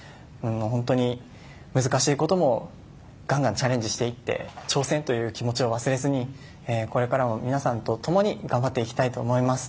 本当に難しいこともがんがんチャレンジしていって挑戦という気持ちを忘れずにこれからも皆さんとともに頑張っていきたいと思います。